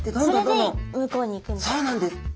それで向こうに行くんですか？